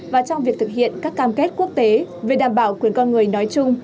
và trong việc thực hiện các cam kết quốc tế về đảm bảo quyền con người nói chung